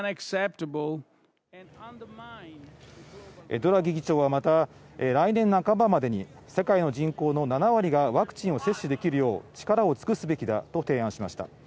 ドラギ議長はまた来年半ばまでに世界の人口の７割がワクチンを接種できるよう力を尽くすべきだと提案しました。